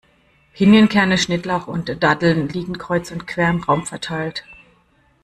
Pinienkerne, Schnittlauch und Datteln liegen kreuz und quer im Raum verteilt.